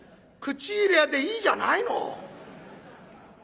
口入れ屋でいいじゃないの。